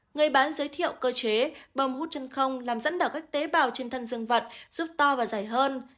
người bán giới thiệu cơ chế bâm hút chân không làm dẫn đảo các tế bào trên thân dương vật giúp to và giải hơn